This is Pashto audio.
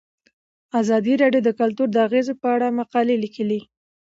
ازادي راډیو د کلتور د اغیزو په اړه مقالو لیکلي.